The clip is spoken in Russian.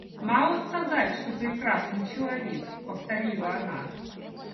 Мало сказать, что прекрасный человек, — повторила она.